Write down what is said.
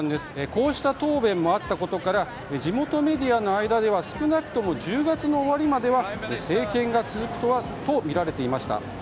こうした答弁もあったことから地元メディアの間では少なくとも１０月の終わりまでは政権が続くのではとみられていました。